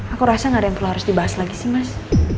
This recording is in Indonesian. aku rasa gak ada yang perlu harus dibahas lagi sih mas